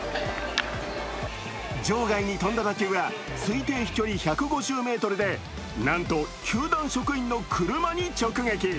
場外に飛んだ打球が推定飛距離１５０ｍでなんと球団職員の車に直撃。